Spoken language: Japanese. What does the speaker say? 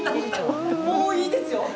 もういいですよ。